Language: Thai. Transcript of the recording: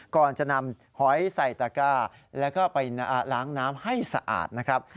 ก่อนจะนำหอยใส่ตะก้าแล้วก็ไปล้างน้ำให้สะอาดนะครับ